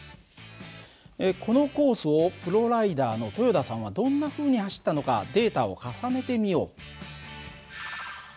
このコースをプロライダーの豊田さんはどんなふうに走ったのかデータを重ねてみよう。